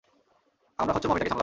আমরা খচ্চর মমিটাকে সামলাবো!